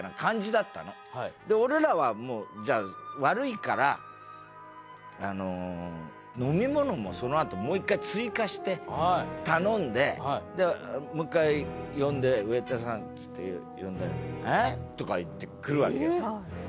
俺らは悪いから飲み物もそのあともう一回追加して頼んでもう一回呼んで「ウェーターさん」っつって呼んで「えっ？」とか言って来るわけよ。